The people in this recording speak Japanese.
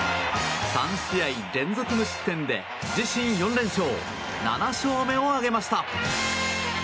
３試合連続無失点で自身４連勝７勝目を挙げました。